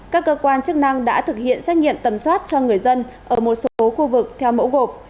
các cơ quan chức năng đã thực hiện xét nghiệm tầm soát cho người dân ở một số khu vực theo mẫu gộp